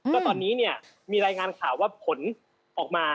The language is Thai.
ก็ตอนนี้เนี่ยมีรายงานข่าวว่าผลออกมา